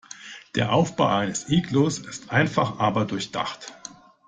Der Aufbau eines Iglus ist einfach, aber durchdacht.